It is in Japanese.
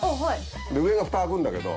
で上がふた開くんだけど。